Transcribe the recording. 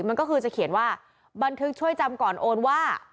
มันก็คือจะเขียนว่าบันทึกช่วยจำก่อนโอนว่า